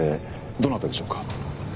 どなたでしょうか？